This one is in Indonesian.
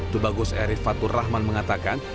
tubagus erif fatur rahman mengatakan